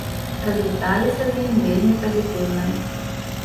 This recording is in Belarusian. Развіталіся з ім вельмі пазітыўна.